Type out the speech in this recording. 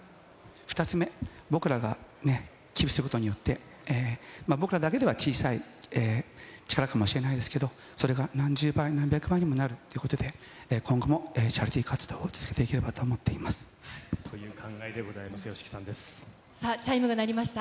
２つ目、僕らがね、寄付したことによって、僕らだけでは小さい力かもしれないけれど、それが何十倍、何百倍にもなるということで、今後もチャリティー活動を続けていければという考えでございます、さあ、チャイムが鳴りました。